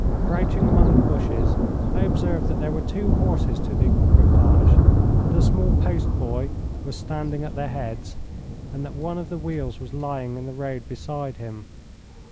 Crouching among the bushes, I observed that there were two horses to the equipage, that a small post boy was standing at their heads, and that one of the wheels was lying in the road beside him.